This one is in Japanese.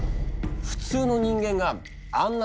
普通の人間があんな